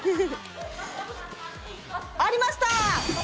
ありました！